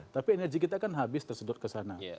tapi energi kita kan habis tersedot kesana